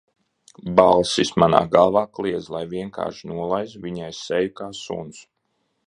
Balsis manā galvā kliedz, lai vienkārši nolaizu viņai seju kā suns.